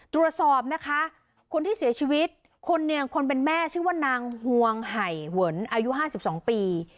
ตรวจสอบนะคะคนที่เสียชีวิตคนหนึ่งคนเป็นแม่ชื่อว่านางห่วงไห่เหวนอายุ๕๒ปี